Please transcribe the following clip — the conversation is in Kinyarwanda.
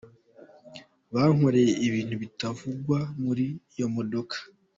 Bankoreye ibintu bitavugwa muri iyo modoka.